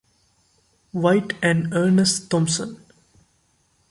White and Ernest Thompson.